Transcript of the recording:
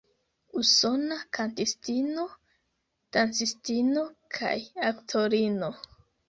Usona kantistino, dancistino kaj aktorino.